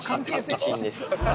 一員です。